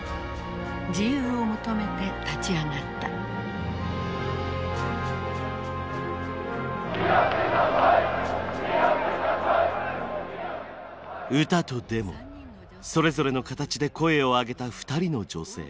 自由を求めて立ち上がった歌とデモそれぞれの形で声を上げた２人の女性。